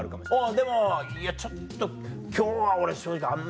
でも「いやちょっと今日は俺正直あんま。